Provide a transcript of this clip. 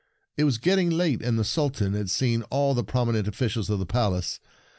It was getting late, and the Sultan had seen all the promi nent officials of the palace.